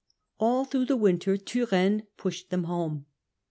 All through the winter Turenne pushed them home.